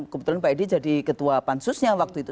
kebetulan pak edi jadi ketua pansusnya waktu itu